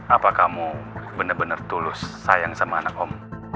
apa kamu bener bener tulus sayang sama anak om